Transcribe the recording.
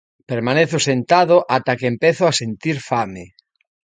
Permanezo sentado ata que empezo a sentir fame.